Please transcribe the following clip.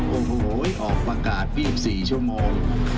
โอ้โหออกประกาศ๒๔ชั่วโมง